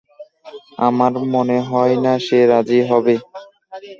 আমার মনে হয় না সে রাজি হবে।